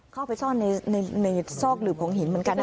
เข้าไปซ่อนในซอกดื่มของหินเหมือนกัน